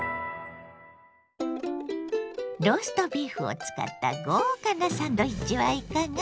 ローストビーフを使った豪華なサンドイッチはいかが？